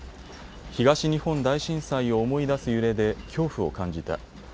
東日本大震災を思い出す揺れで恐怖を感じた。